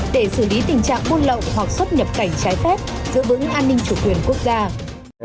để xử lý tình trạng buôn lậu hoặc xuất nhập cảnh trái phép giữ vững an ninh chủ quyền quốc gia